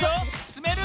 つめる？